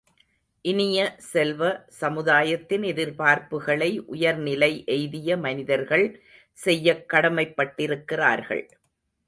இனிய செல்வ, சமுதாயத்தின் எதிர்ப்பார்ப்புகளை உயர்நிலை எய்திய மனிதர்கள் செய்யக் கடமைப் பட்டிருக்கிறார்கள்.